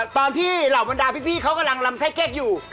ตอนที่เหล่าบรรดาพี่เขากำลังลำไข้เก๊กอยู่